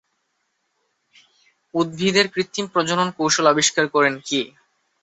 উদ্ভিদের কৃত্রিম প্রজনন কৌশল আবিষ্কার করেন কে?